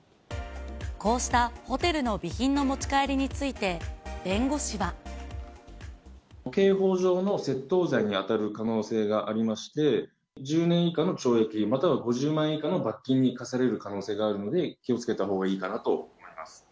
こうしたホテルの備品の持ち刑法上の窃盗罪に当たる可能性がありまして、１０年以下の懲役または５０万円以下の罰金に科される可能性があるので、気をつけたほうがいいかなと思います。